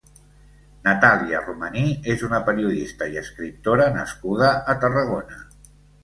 Natàlia Romaní és una periodista i escriptora nascuda a Tarragona.